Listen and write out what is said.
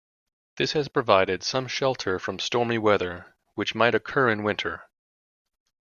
This has provided some shelter from stormy weather, which might occur in winter.